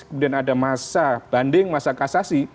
kemudian ada masa banding masa kasasi